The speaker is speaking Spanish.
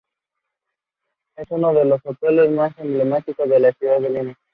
Es uno de los hoteles más emblemáticos de la ciudad de Lima.